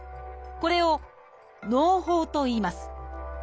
これを「のう胞」といいます。